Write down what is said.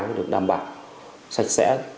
phải được đảm bảo sạch sẽ